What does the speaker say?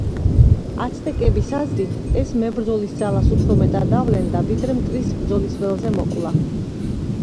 აცტეკების აზრით, ეს მებრძოლის ძალას უფრო მეტად ავლენდა, ვიდრე მტრის ბრძოლის ველზე მოკვლა.